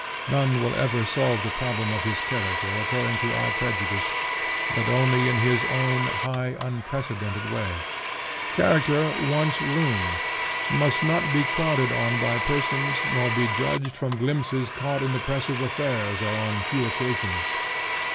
None will ever solve the problem of his character according to our prejudice, but only in his own high unprecedented way. Character wants room; must not be crowded on by persons nor be judged from glimpses got in the press of affairs or on few occasions.